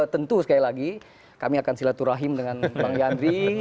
tentu sekali lagi kami akan silaturahim dengan bang yandri